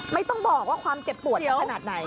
ไม่ต้องบอกว่าความเจ็บปวดจะขนาดไหน